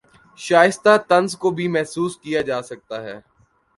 شائستہ طنز کو بھی محسوس کیا جاسکتا ہے